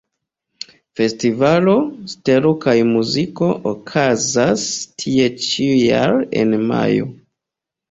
Festivalo "Stelo kaj Muziko" okazas tie ĉiujare en majo.